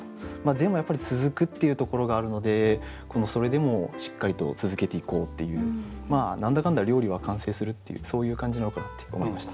でも「続く」というところがあるのでこのそれでもしっかりと続けていこうっていう何だかんだ料理は完成するっていうそういう感じなのかなって思いました。